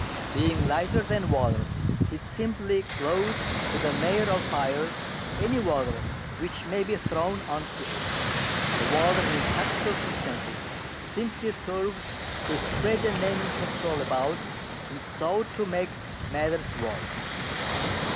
Being lighter than water, it simply clothes with a layer of fire any water which may be thrown on to it. The water in such circumstances simply serves to spread the naming petrol about and so to make matters worse.